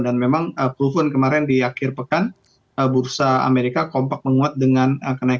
dan memang proven kemarin di akhir pekan bursa amerika kompak menguat dengan kenaikan yang cukup banyak